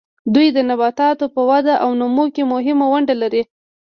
دوی د نباتاتو په وده او نمو کې مهمه ونډه لري.